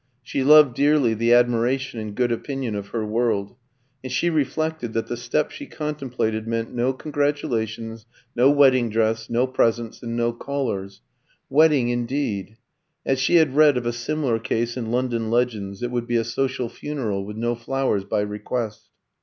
She loved dearly the admiration and good opinion of her world; and she reflected that the step she contemplated meant no congratulations, no wedding dress, no presents, and no callers. Wedding indeed! As she had read of a similar case in "London Legends," it would be a "social funeral, with no flowers by request."